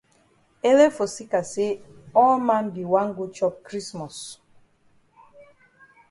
Ele for seka say all man be wan go chop krismos.